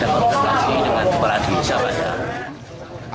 dan tidak ada koordinasi dengan peran desa banyak